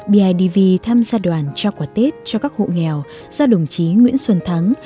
bidv tham gia đoàn trao quả tết cho các hộ nghèo do đồng chí nguyễn xuân thắng